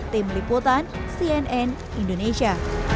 tim liputan cnn indonesia